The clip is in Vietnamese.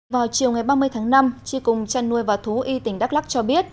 vào chiều ngày ba mươi tháng năm tri cục trăn nuôi và thú y tỉnh đắk lắc cho biết